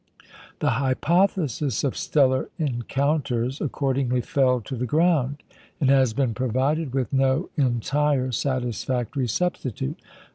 The hypothesis of stellar encounters accordingly fell to the ground, and has been provided with no entire satisfactory substitute.